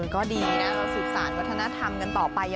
ก็ดีนะเราสืบสารวัฒนธรรมกันต่อไป